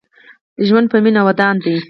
ژوند په مينه ودان دې